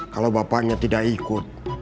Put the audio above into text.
kalau bapaknya tidak ikut